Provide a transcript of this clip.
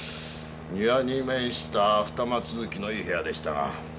庭に面した二間続きのいい部屋でしたが。